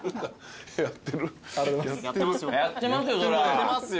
やってますよ